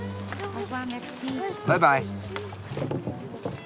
バイバイ。